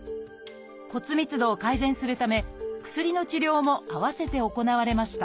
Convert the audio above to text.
骨密度を改善するため薬の治療も併せて行われました。